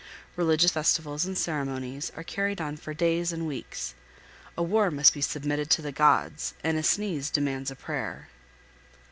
Religious festivals and ceremonies are carried on for days and weeks. A war must be submitted to the gods, and a sneeze demands a prayer.